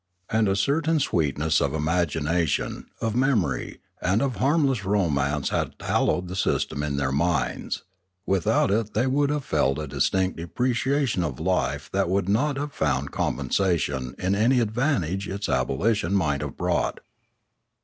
And a certain sweetness of imagination, of memory, and of harmless romance had hallowed the system in their minds; without it they would have felt a distinct depreciation of life that would not have found compensation in any advantage its abolition might have brought.